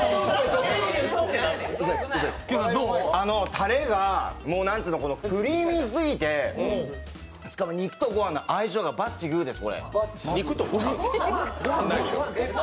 タレが、クリーミーすぎて、しかも肉とご飯の相性がバッチグーです。